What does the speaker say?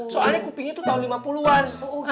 soalnya kupingnya itu tahun lima puluh an